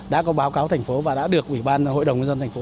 đã có báo cáo thành phố và đã được ủy ban hội đồng nhân dân thành phố